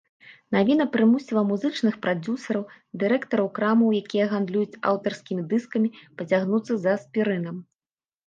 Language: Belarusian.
Навіна прымусіла музычных прадзюсараў, дырэктараў крамаў, якія гандлююць аўтарскімі дыскамі, пацягнуцца за аспірынам.